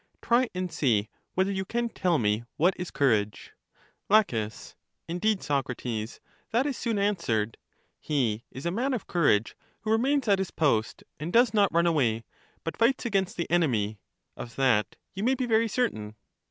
Try, and see whether you can tell me what is courage. La, Indeed, Socrates, that is soon answered: he is'*^^ a man of courage who remains at his post, and does not rim away, but fights against the enemy; of that you may be very certain.